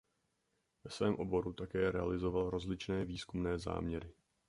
Ve svém oboru také realizoval rozličné výzkumné záměry.